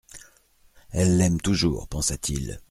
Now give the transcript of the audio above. Elle l'aime toujours ! pensa-t-il.